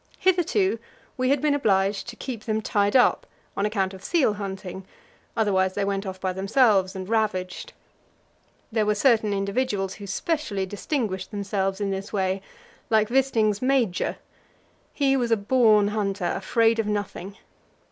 Hitherto we had been obliged to keep them tied up on account of seal hunting; otherwise they went off by themselves and ravaged. There were certain individuals who specially distinguished themselves in this way, like Wisting's Major. He was a born hunter, afraid of nothing.